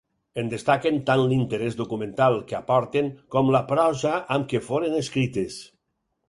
En destaquen tant l'interès documental que aporten com la prosa amb què foren escrites.